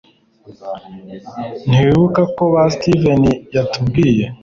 ntiwibuka ko ba steven yatubwiye